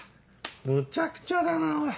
むちゃくちゃだなおい。